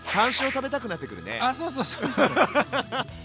あそうそうそうそう。